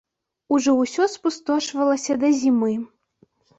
Ужо ўсё спустошвалася да зімы.